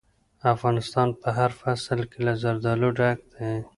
افغانستان په هر فصل کې له زردالو ډک دی.